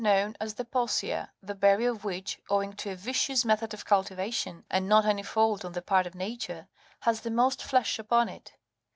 known as the " posia,'"30 the berry of which, owing to a vicious method of cultivation, and not any fault on the part of Na ture, has the most flesh upon it.